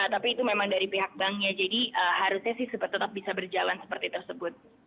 tapi itu memang dari pihak banknya jadi harusnya sih tetap bisa berjalan seperti tersebut